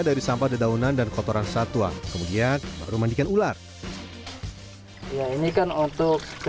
dari sampah dedaunan dan kotoran satwa kemudian rumah diken ular ini kan untuk